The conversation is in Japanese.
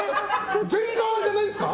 全革じゃないんですか？